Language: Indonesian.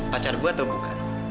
pacar gue atau bukan